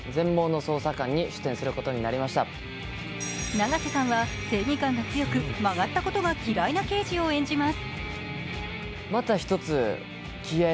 永瀬さんは正義感が強く曲がったことが嫌いな刑事を演じます。